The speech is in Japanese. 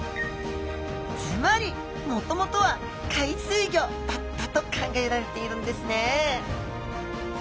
つまりもともとは海水魚だったと考えられているんですね